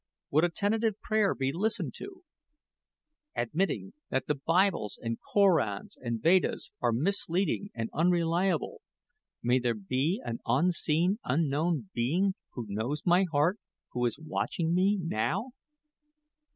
Would a tentative prayer be listened to? Admitting that the Bibles, and Korans, and Vedas, are misleading and unreliable, may there not be an unseen, unknown Being, who knows my heart who is watching me now?